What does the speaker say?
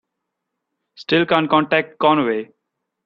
Still can't contact Conway.